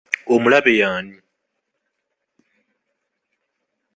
Omulabe y'ani?